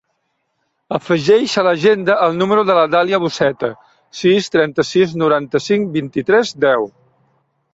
Afegeix a l'agenda el número de la Dàlia Buceta: sis, trenta-sis, noranta-cinc, vint-i-tres, deu.